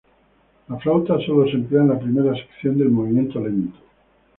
La flauta sólo se emplea en la primera sección del movimiento lento.